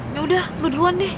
yaudah lo duluan deh